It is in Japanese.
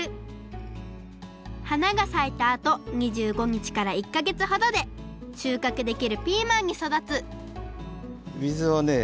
はながさいたあと２５にちから１かげつほどでしゅうかくできるピーマンにそだつ水をね